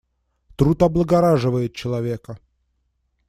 Труд облагораживает человека.